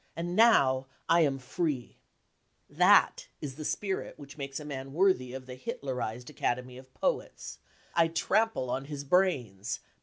And now I am free ! That is the spirit which makes a man worthy of the Hitlerised Academy of Poets :" I trample on his brains